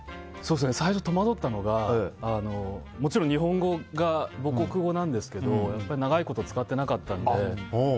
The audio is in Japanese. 最初、戸惑ったのがもちろん日本語が母国語なんですけど長いこと使ってなかったので。